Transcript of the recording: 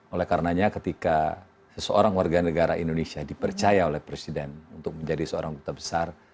oleh karenanya ketika seseorang warga negara indonesia dipercaya oleh presiden untuk menjadi seorang duta besar